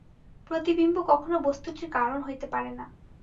প্রতিবিম্ব কখনও বস্তুটির কারণ হইতে পারে না।